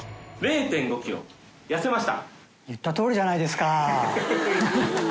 言ったとおりじゃないですか！